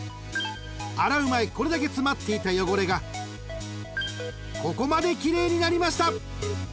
［洗う前これだけ詰まっていた汚れがここまで奇麗になりました］